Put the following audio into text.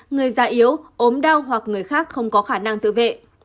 người già yếu ốm đau hoặc người khác không có khả năng tự vệ